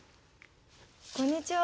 こんにちは。